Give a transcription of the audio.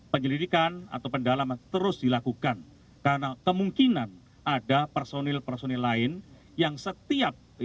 penyelidikan atau pendalaman terus dilakukan karena kemungkinan ada personil personil lain yang setiap